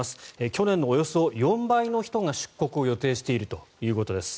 去年のおよそ４倍の人が、出国を予定しているということです。